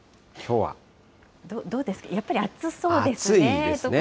どうですか、やっぱり暑そう暑いですね。